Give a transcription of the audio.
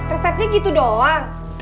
resepnya gitu doang